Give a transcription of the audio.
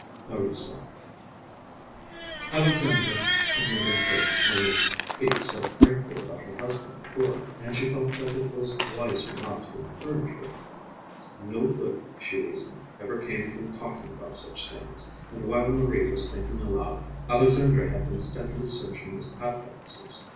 Marie sighed. Alexandra had never heard Marie speak so frankly about her husband before, and she felt that it was wiser not to encourage her. No good, she reasoned, ever came from talking about such things, and while Marie was thinking aloud, Alexandra had been steadily searching the hat boxes.